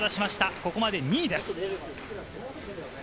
ここまで２位です。